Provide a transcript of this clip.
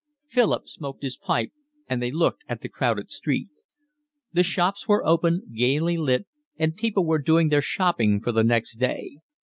Philip smoked his pipe, and they looked at the crowded street. The shops were open, gaily lit, and people were doing their shopping for the next day.